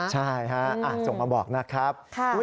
ใช่ฮะส่งมาบอกนะครับ